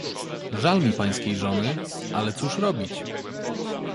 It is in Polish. "Żal mi pańskiej żony, ale cóż robić?"